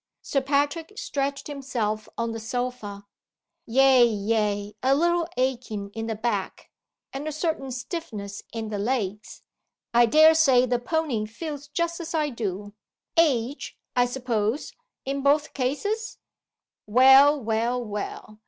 Sir Patrick stretched himself on the sofa. "Ay! ay! a little aching in the back, and a certain stiffness in the legs. I dare say the pony feels just as I do. Age, I suppose, in both cases? Well! well! well!